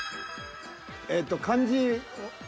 えっと漢字。